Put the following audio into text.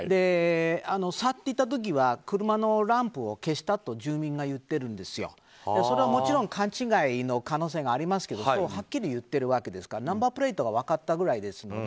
去っていった時は車のランプを消したともちろん勘違いの可能性もありますがはっきり言っているわけですからナンバープレートが分かったくらいですので。